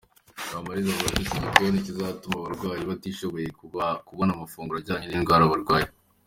Kamaliza avuga ko iki gikoni kizatuma abarwayi batishoboye babona amafunguro ajyanye n’indwara barwaye.